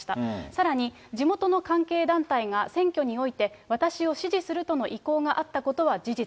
さらに地元の関係団体が選挙において私を支持するとの意向があったことは事実。